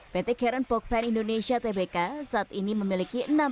pt karen pokpen indonesia tbk saat ini memiliki